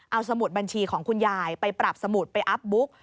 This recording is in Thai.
เอาสมุดบัญชีของคุณยายไปปรับสมุดไปอัพบุ๊ก